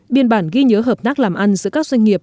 biên bản ghi nhớ hợp tác làm ăn giữa các doanh nghiệp